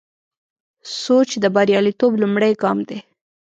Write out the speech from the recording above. سوچ د بریالیتوب لومړی ګام دی.